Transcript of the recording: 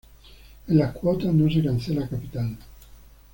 En las cuotas no se cancela capital.